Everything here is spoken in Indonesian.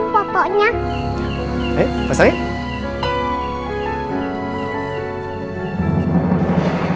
eh pasang yuk